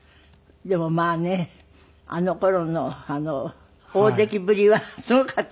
でもまあねあの頃の大関ぶりはすごかったですよね。